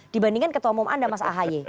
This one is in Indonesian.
dibandingkan ketua umum anda mas ahaye